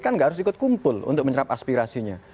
kan nggak harus ikut kumpul untuk menyerap aspirasinya